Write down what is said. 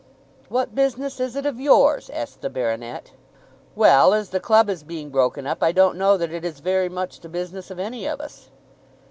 "What business is it of yours?" asked the baronet. "Well; as the club is being broken up, I don't know that it is very much the business of any of us."